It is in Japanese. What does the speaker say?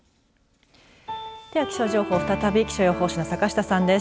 では、気象情報再び気象予報士の坂下さんです。